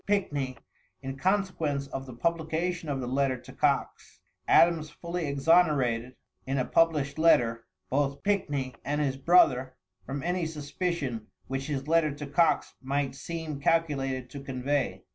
Pickney in consequence of the publication of the letter to Coxe, Adams fully exonerated, in a published letter, both Pickney and his brother from any suspicion which his letter to Coxe might seem calculated to convey.